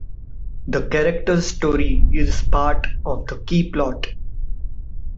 The character's story is part of the key plot.